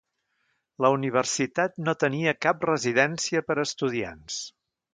La universitat no tenia cap residència per estudiants.